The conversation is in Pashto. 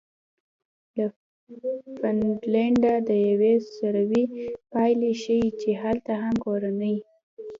له فنلنډه د یوې سروې پایلې ښیي چې هلته هم د کورنۍ